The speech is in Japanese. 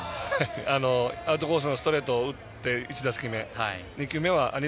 アウトコースのストレートを打って１打席目ですよね。